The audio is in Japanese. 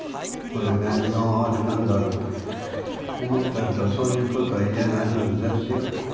こういう悩みがおありなんだろうと思ってるとそういうことは言えないはずですよ。